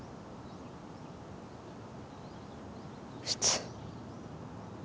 普通。